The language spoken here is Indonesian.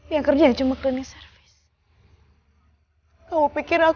yang kerja cuma untuk mencari teman teman yang baik